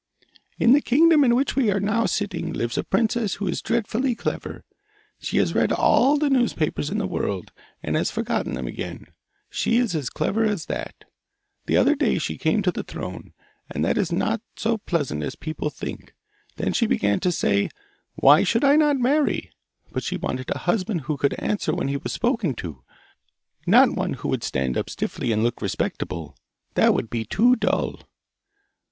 'In the kingdom in which we are now sitting lives a princess who is dreadfully clever. She has read all the newspapers in the world and has forgotten them again. She is as clever as that. The other day she came to the throne, and that is not so pleasant as people think. Then she began to say, "Why should I not marry?" But she wanted a husband who could answer when he was spoken to, not one who would stand up stiffly and look respectable that would be too dull.